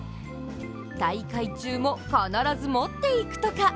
大会中も必ず持って行くとか。